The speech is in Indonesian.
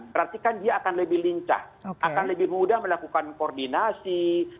berarti kan dia akan lebih lincah akan lebih mudah melakukan koordinasi